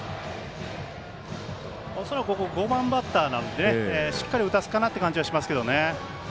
恐らく、ここ５番バッターなんでしっかり打たすかなという感じはしますけどね。